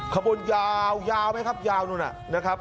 ขบวนยาวยาวไหมครับยาวนู่นน่ะนะครับ